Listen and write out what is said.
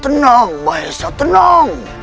tenang maesah tenang